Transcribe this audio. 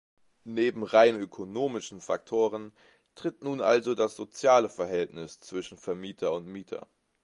Neben rein ökonomischen Faktoren tritt nun also das soziale Verhältnis zwischen Vermieter und Mieter.